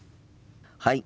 はい。